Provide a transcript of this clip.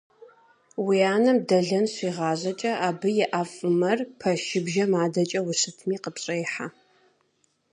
Уи анэм дэлэн щигъажьэкӀэ, абы и ӀэфӀымэр пэшыбжэм адэкӀэ ущытми къыпщӀехьэ.